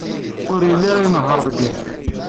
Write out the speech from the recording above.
Ur yelli ara inehheṛ deg yiḍ.